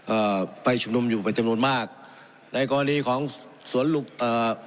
เอ่อไปชุมนุมอยู่เป็นจำนวนมากในกรณีของสวนลูกเอ่อ